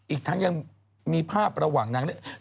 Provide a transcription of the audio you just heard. อีกทั้งยังมีภาพระหว่างนางเล่น